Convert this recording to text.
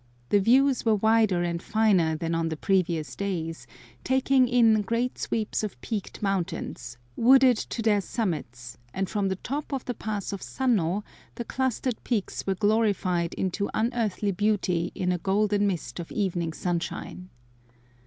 The views were wider and finer than on the previous days, taking in great sweeps of peaked mountains, wooded to their summits, and from the top of the Pass of Sanno the clustered peaks were glorified into unearthly beauty in a golden mist of evening sunshine.